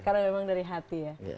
karena memang dari hati ya